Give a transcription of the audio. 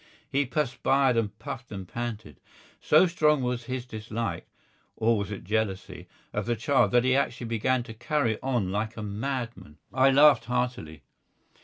He perspired and puffed and panted. So strong was his dislike (or was it jealousy?) of the child that he actually began to carry on like a madman. I laughed heartily.